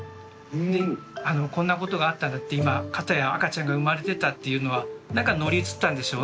でこんなことがあったんだって今片や赤ちゃんが産まれてたっていうのは何か乗り移ったんでしょうね。